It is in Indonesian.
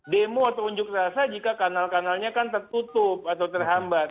demo atau unjuk rasa jika kanal kanalnya kan tertutup atau terhambat